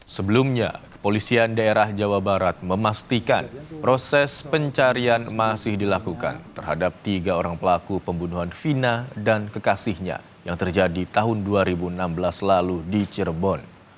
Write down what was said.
sebelumnya kepolisian daerah jawa barat memastikan proses pencarian masih dilakukan terhadap tiga orang pelaku pembunuhan vina dan kekasihnya yang terjadi tahun dua ribu enam belas lalu di cirebon